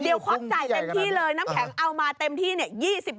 เดี๋ยวควักจ่ายเต็มที่เลยน้ำแข็งเอามาเต็มที่เนี่ย